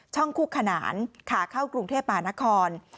คู่ขนานขาเข้ากรุงเทพมหานคร